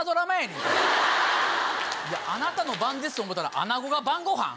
『あなたの番です』と思ったら『アナゴが晩ご飯』？